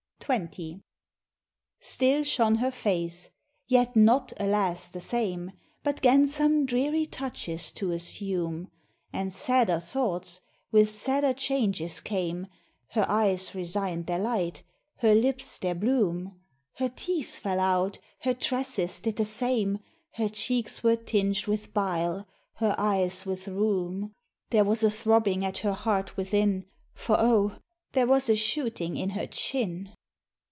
XX. Still shone her face yet not, alas! the same, But 'gan some dreary touches to assume, And sadder thoughts, with sadder changes came Her eyes resigned their light, her lips their bloom, Her teeth fell out, her tresses did the same, Her cheeks were tinged with bile, her eyes with rheum: There was a throbbing at her heart within, For, oh! there was a shooting in her chin.